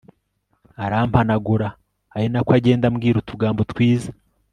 arampanagura ari nako agenda ambwira utugambo twiza